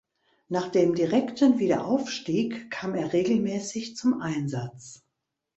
Nach dem direkten Wiederaufstieg kam er regelmäßig zum Einsatz.